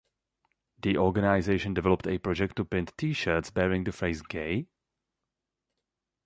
The organization developed a project to print T-shirts bearing the phrase gay?